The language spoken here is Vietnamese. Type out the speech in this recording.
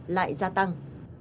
lại gia tăng